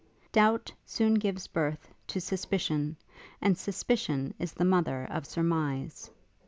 Doubt soon gives birth to suspicion, and suspicion is the mother of surmise.